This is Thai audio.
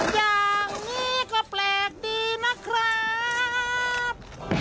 อย่างนี้ก็แปลกดีนะครับ